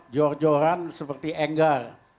jor joran seperti enggar